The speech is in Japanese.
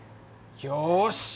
よし！